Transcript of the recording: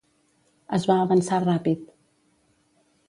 Es va avançar ràpid.